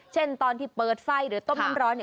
เช่นตอนที่เปิดไฟหรือต้มน้ำร้อน